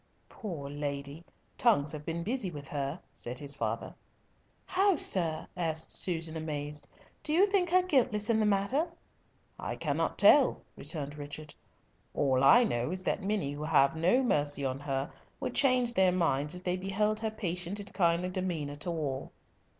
"Poor lady! tongues have been busy with her," said his father. "How, sir?" asked Susan, amazed, "do you think her guiltless in the matter?" "I cannot tell," returned Richard. "All I know is that many who have no mercy on her would change their minds if they beheld her patient and kindly demeanour to all."